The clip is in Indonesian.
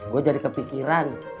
gua jadi kepikiran